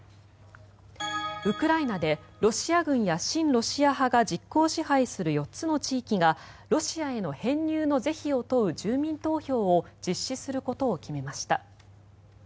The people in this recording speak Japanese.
ウクライナでロシア軍や親ロシア派が実効支配する４つの地域がロシアへの編入の是非を問う住民投票を実施することを決めました。